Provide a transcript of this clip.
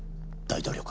大統領。